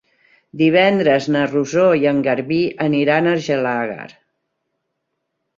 Divendres na Rosó i en Garbí aniran a Argelaguer.